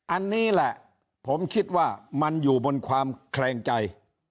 อันนี้แหละผมคิดว่ามันอยู่บนความแคลงใจ